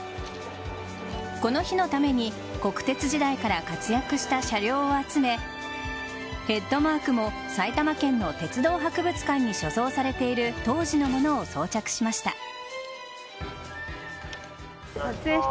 この日のために国鉄時代から活躍した車両を集めヘッドマークも埼玉県の鉄道博物館に所蔵されている当時のものを装着しました。